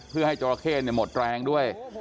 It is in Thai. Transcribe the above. เพื่อให้เจ้าระเข้มันหมดแรงด้วย